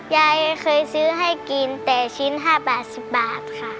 ยายเคยซื้อให้กินแต่ชิ้น๕บาท๑๐บาทค่ะ